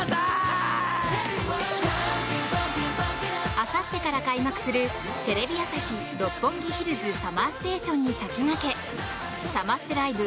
あさってから開催するテレビ朝日・六本木ヒルズＳＵＭＭＥＲＳＴＡＴＩＯＮに先駆けサマステライブ